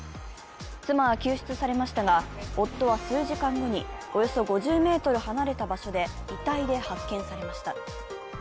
妻は救出されましたが、夫は数時間後におよそ５０ｍ離れた場所で遺体で発見されました。